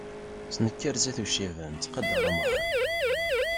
Ttnekkar zdat n uciban, ttqadaṛ amɣar.